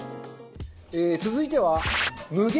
続いては。